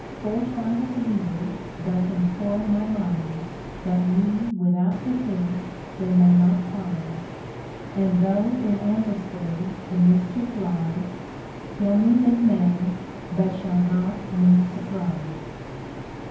Foresight of evils doth employ my mind, CONSOLATION TO APOLLONIuS. 321 That me \vithout (defence tliey may not find ; And though in ambuscade the mischief lies, Kill me it may, but shall not me surprise.